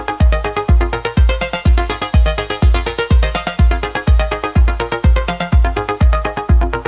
kan gemoy anak pinter